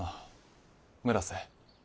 村瀬。